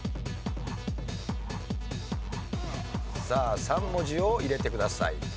さあ３文字を入れてください。